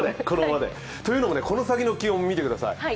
というのも、この先の気温を見てください。